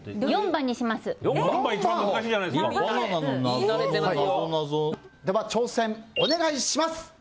４番では、挑戦、お願いします。